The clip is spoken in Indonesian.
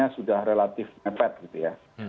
sudah relatif mepet gitu ya